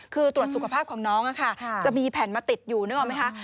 คือตรวจสุขภาพของน้องจะมีแผ่นมาติดอยู่นึกออกไหมคะ